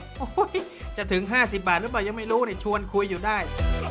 โอ้โหจะถึง๕๐บาทหรือเปล่ายังไม่รู้ชวนคุยอยู่ได้